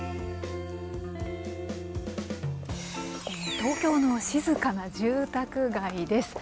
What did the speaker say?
東京の静かな住宅街です。